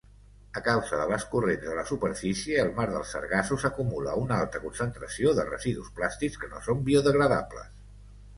A causa de les corrents de la superfície, el mar dels Sargassos acumula una alta concentració de residus plàstics que no són biodegradables.